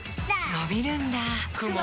のびるんだ